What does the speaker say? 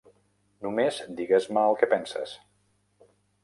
Només digues-me el que penses.